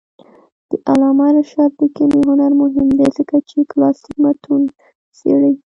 د علامه رشاد لیکنی هنر مهم دی ځکه چې کلاسیک متون څېړي.